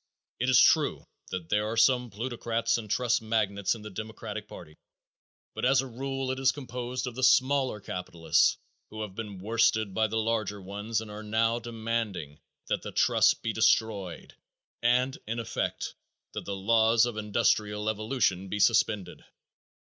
It is true that there are some plutocrats and trust magnates in the Democratic party, but as a rule it is composed of the smaller capitalists who have been worsted by the larger ones and are now demanding that the trusts be destroyed and, in effect, that the laws of industrial evolution be suspended.